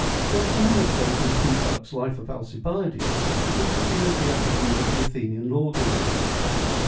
There is an anecdote in Plutarch's Life of Alcibiades which reveals the attitude of the Athenian lawgivers.